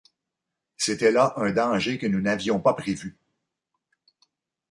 C’était là un danger que nous n’avions pas prévu.